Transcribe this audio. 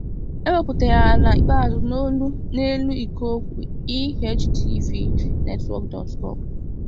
E wepụtara ya n'ikpeazụ n'elu ikpo okwu ehtvnetwork.com.